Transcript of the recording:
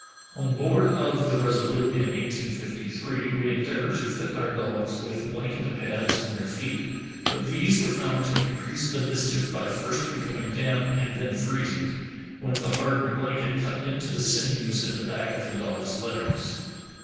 On board of the Resolute in 1853 we endeavored to fit our dogs with blanket pads on their feet, but these were found to increase the 220 True Tales of Arctic Heroism mischief by first becoming damp and then freezing, when the hardened blanket cut into the sinews at the back of the dogs' legs."